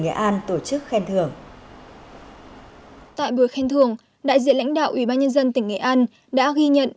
nghệ an tổ chức khen thưởng tại buổi khen thưởng đại diện lãnh đạo ubnd tỉnh nghệ an đã ghi nhận